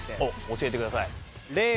教えてください。